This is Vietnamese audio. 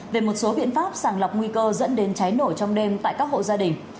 về một số biện pháp sàng lọc nguy cơ dẫn đến cháy nổ trong đêm tại các hộ gia đình